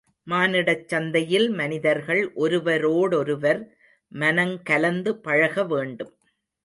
மானிடச் சந்தையில் மனிதர்கள் ஒருவரோடொருவர் மனங்கலந்து பழக வேண்டும்.